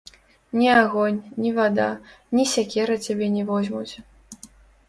Ні агонь, ні вада, ні сякера цябе не возьмуць.